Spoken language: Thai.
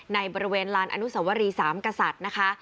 ในบริเวณลานอนุสวรีสามกษัตริย์นะคะ